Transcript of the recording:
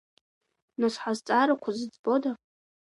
Нас ҳазҵаарақәа зыӡбода?